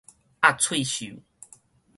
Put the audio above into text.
鴨喙獸